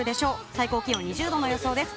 最高気温２０度の予想です。